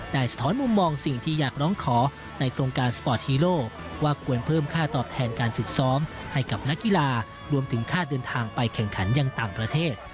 สะท้อนมุมมองสิ่งที่อยากร้องขอในโครงการสปอร์ตฮีโร่ว่าควรเพิ่มค่าตอบแทนการฝึกซ้อมให้กับนักกีฬารวมถึงค่าเดินทางไปแข่งขันยังต่างประเทศ